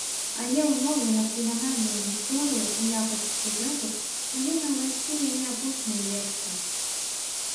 Але ў новую нацыянальную гісторыю ў якасці сюжэту павінна ўвайсці яе апошняя версія.